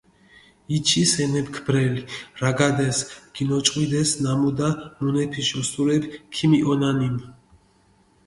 იჩის ენეფქ ბრელი, რაგადეს, გინოჭყვიდეს ნამუდა, მუნეფიში ოსურეფი ქიმიჸონანინი.